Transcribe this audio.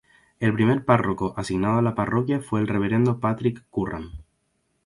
El primer párroco asignado a la parroquia fue el reverendo Patrick Curran.